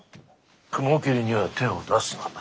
雲霧には手を出すな。